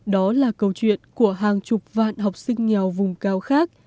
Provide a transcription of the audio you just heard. đó là câu chuyện của hàng chục vạn học sinh nghèo vùng cao khác